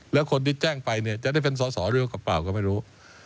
และคนที่แจ้งไปจะได้เป็นสอสอหรือกับเปล่าก็ไม่รู้